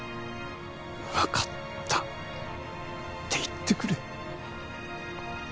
わかったって言ってくれ。